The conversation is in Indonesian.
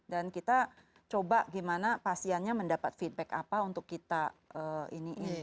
dan kita coba gimana pasiennya mendapat feedback apa untuk kita iniin